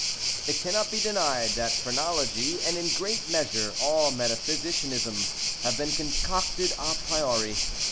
It cannot be denied that phrenology and, in great measure, all metaphysicianism have been concocted a priori.